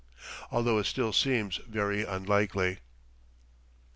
although it still seems very unlikely."